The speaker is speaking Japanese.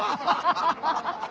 ハハハハ！